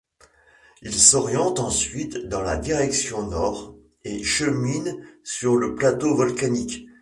Il s'oriente d'abord dans la direction nord et chemine sur le plateau volcanique.